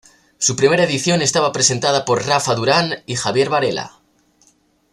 Su primera edición estaba presentada por Rafa Durán y Javier Varela.